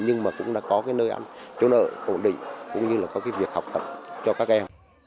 nhưng mà cũng đã có cái nơi ăn chỗ nợ ổn định cũng như là có cái việc học tập cho các em